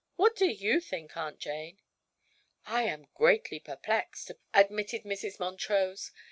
"What do you think, Aunt Jane?" "I am greatly perplexed," admitted Mrs. Montrose.